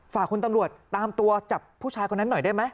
ฝากคุณตำรวจตามตัวจับผู้ชายคนนั้นหน่อยได้ไหม